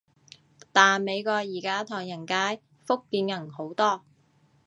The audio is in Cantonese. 但美國而家唐人街，福建人好多